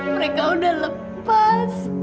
mereka udah lepas